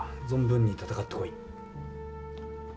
存分に戦ってこい。